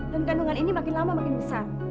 dan kandungan ini makin lama makin besar